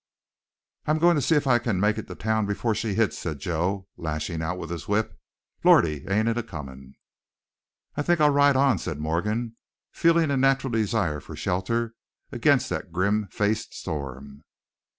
"I'm goin' to see if I can make it to town before she hits," said Joe, lashing out with his whip. "Lordy! ain't it a comin'!" "I think I'll ride on," said Morgan, feeling a natural desire for shelter against that grim faced storm.